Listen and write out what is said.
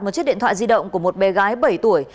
một chiếc điện thoại di động của một bé gái bảy tuổi